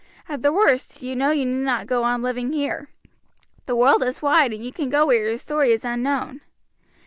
At the worst, you know you need not go on living here. The world is wide, and you can go where your story is unknown.